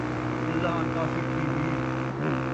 اللہ کافی تھیوی